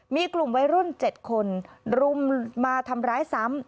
มีกลุ่มวัยรุ่น๗คนรุมมาทำร้ายซ้ำ